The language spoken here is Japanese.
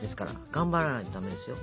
頑張らないとダメですよ。